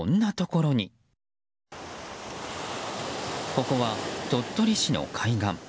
ここは、鳥取市の海岸。